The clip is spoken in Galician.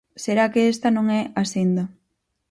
Será que esta non é a senda.